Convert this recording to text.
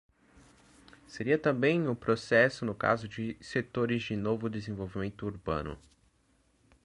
Seria também o processo no caso de setores de novo desenvolvimento urbano.